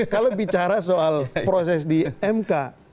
kalau bicara soal proses di mk